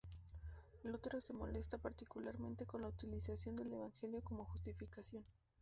Lutero se molesta particularmente con la utilización del Evangelio como justificación.